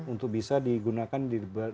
untuk bisa digunakan di dalam berbagai jenis